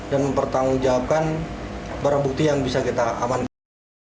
dan mempertanggungjawabkan barang bukti yang bisa kita amankan